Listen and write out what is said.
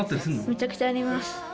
めちゃくちゃあります。